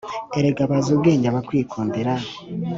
Erega bazi ubwenge abakwikundira!